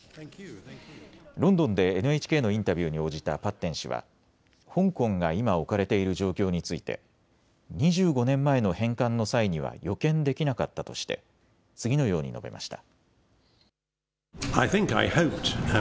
ロンドンでＮＨＫのインタビューに応じたパッテン氏は香港が今、置かれている状況について２５年前の返還の際には予見できなかったとして次のように述べました。